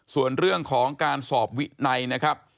ส่วนเรื่องของการสอบวินัยนะครับ